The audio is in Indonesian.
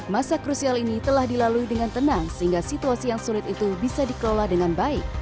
masa krusial ini telah dilalui dengan tenang sehingga situasi yang sulit itu bisa dikelola dengan baik